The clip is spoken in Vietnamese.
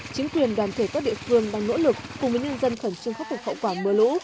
chính quyền đoàn thể các địa phương đang nỗ lực cùng với nhân dân khẩn trương khắc phục hậu quả mưa lũ